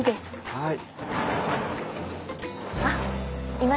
はい。